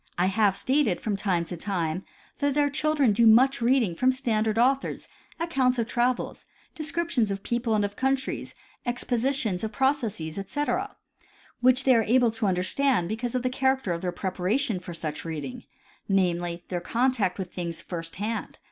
I have stated from time to time that our children do much reading from standard authors, accounts of travels, descriptions of peoples and of countries, ex positions of processes etc, which they are able to understand because of the character of their preparation for such reading, namely, their contact with things first hand.